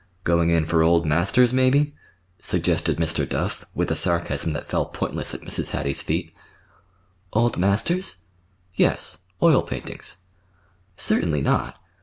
"Going in for old masters, maybe," suggested Mr. Duff, with a sarcasm that fell pointless at Mrs. Hattie's feet. "Old masters?" "Yes—oil paintings." "Certainly not."